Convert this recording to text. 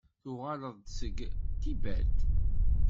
Tuɣaleḍ-d seg Tibet?